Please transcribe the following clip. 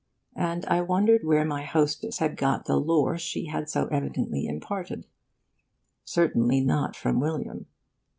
And I wondered where my hostess had got the lore she had so evidently imparted. Certainly not from William.